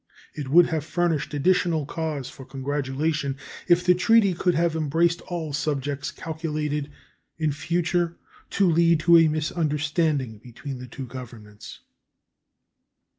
It would have furnished additional cause for congratulation if the treaty could have embraced all subjects calculated in future to lead to a misunderstanding between the two Governments.